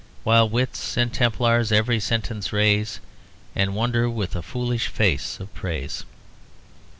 While wits and templars every sentence raise, And wonder with a foolish face of praise."